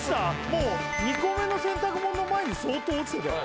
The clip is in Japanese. もう２個目の洗濯物の前に相当落ちてたよ